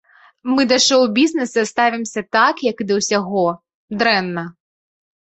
Мы да шоу-бізнеса ставімся так, як і да ўсяго, дрэнна.